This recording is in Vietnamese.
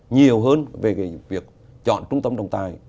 nhiều hơn về việc chọn trung tâm trọng tài